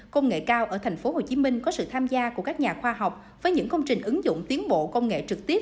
công nghệ cao ở tp hcm có sự tham gia của các nhà khoa học với những công trình ứng dụng tiến bộ công nghệ trực tiếp